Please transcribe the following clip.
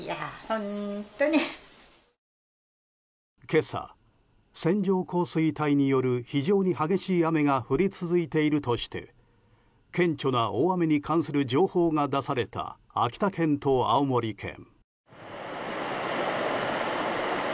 今朝、線状降水帯による非常に激しい雨が降り続いているとして顕著な大雨に関する情報が出された秋田県と青森県。